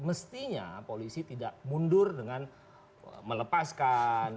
mestinya polisi tidak mundur dengan melepaskan